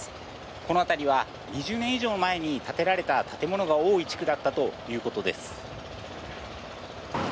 このあたりは２０年以上前に建てられた建物の多い地区だったということです。